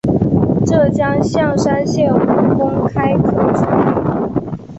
浙江象山县吴公开科之墓